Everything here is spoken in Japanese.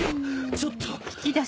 ちょっと。